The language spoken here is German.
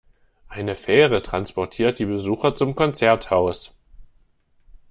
Eine Fähre transportiert die Besucher zum Konzerthaus.